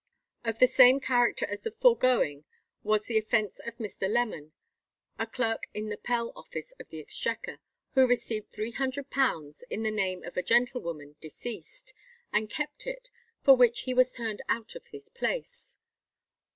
Of the same character as the foregoing was the offence of Mr. Lemon, a clerk in the Pell office of the Exchequer, who received £300 in the name of a gentlewoman deceased, and kept it, for which he was turned out of his place.